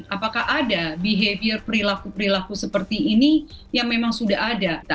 apakah ada behavior perilaku perilaku seperti ini yang memang sudah ada